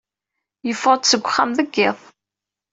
Yeffeɣ-d seg uxxam deg yiḍ.